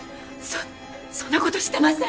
そそんなことしてません！